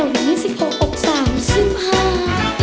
เอาอิงิจฟิก๖ออกสามสุภา